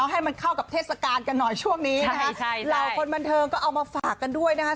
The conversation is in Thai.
ให้มันเข้ากับเทศกาลกันหน่อยช่วงนี้นะคะเหล่าคนบันเทิงก็เอามาฝากกันด้วยนะคะ